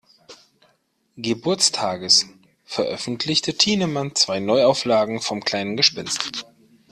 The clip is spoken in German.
Geburtstages, veröffentlichte Thienemann zwei Neuauflagen vom kleinen Gespenst.